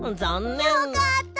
よかった！